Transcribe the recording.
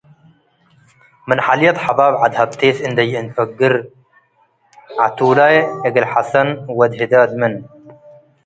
ምን ሐልየት ሐባብ ዐድ ህብቴስ እንዴ ይእንፈግር። ዐቱላይ እግል ሐሰን። ወድ ህዳድ ምን